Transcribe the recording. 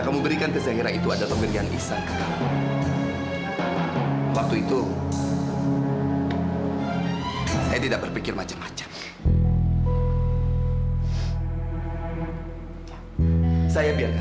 sampai jumpa di video selanjutnya